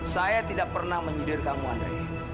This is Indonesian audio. saya tidak pernah menyedihkanmu andre